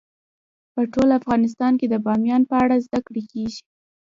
په ټول افغانستان کې د بامیان په اړه زده کړه کېږي.